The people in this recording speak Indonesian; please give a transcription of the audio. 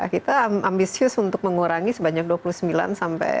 kita ambisius untuk mengurangi sebanyak dua puluh sembilan sampai empat puluh satu persen kan